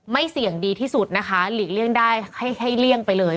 เสี่ยงดีที่สุดนะคะหลีกเลี่ยงได้ให้เลี่ยงไปเลย